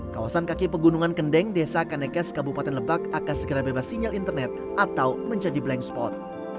kawasan kaki pegunungan kendeng desa kanekes kabupaten lebak akan segera bebas sinyal internet atau menjadi blank spot